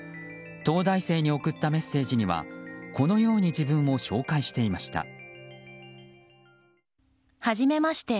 東大生に送ったメッセージにはこのように自分を紹介していました。